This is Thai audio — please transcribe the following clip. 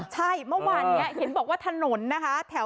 ใช่เมื่อวานนี้เห็นบอกว่าถนนนะคะ